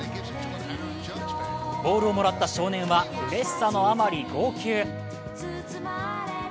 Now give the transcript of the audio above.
ボールをもらった少年は、うれしさのあまり号泣。